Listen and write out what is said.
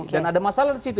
dan ada masalah disitu